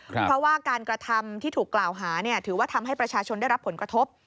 เพราะว่าการกระทำที่ถูกกล่าวหาถือว่าทำให้ประชาชนได้รับผลกระทบ